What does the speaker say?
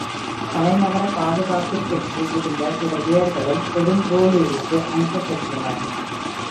தலைநகரப் பாதுகாப்பிற்கென்று இருந்த சில வீரர்களும், கொடுங்கோளுருக்கு அனுப்பப் பெற்றனர்.